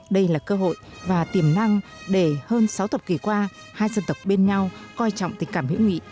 đây là cơ hội và tiềm năng để hơn sáu thập kỷ qua hai dân tộc bên nhau coi trọng tình cảm hữu nghị